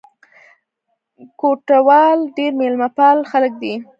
کوټوال ډېر مېلمه پال خلک دي.